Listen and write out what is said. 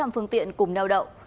phương tiện cùng neo đậu